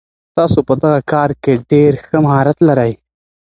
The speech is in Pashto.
تاسو په دغه کار کي ډېر ښه مهارت لرئ.